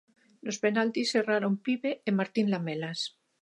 Nos penaltis erraron Pibe e Martín Lamelas.